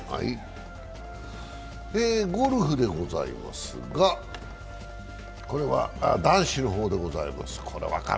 ゴルフでございますが、これは男子の方でございます。